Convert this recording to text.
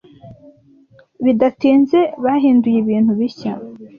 Bidatinze bahinduye ibintu bishya.